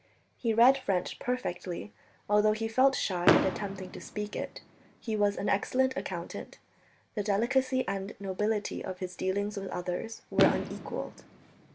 He read French perfectly, although he felt shy at attempting to speak it. He was an excellent accountant. The delicacy and nobility of his dealings with others were unequalled.